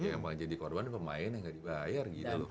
yang paling jadi korban pemain yang nggak dibayar gitu loh